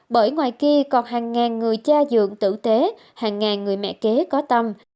bởi ngoài kia còn hàng ngàn người cha dưỡng tử tế hàng ngàn người mẹ kế có tâm